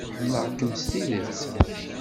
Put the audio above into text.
Ḥemmleɣ-ken s tidet.